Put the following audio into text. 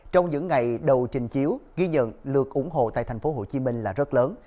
trong những ngày đầu trình chiếu ghi nhận lượt ủng hộ tại thành phố hồ chí minh là rất lớn